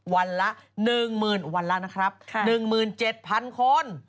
วันละ๑๗๐๐๐คน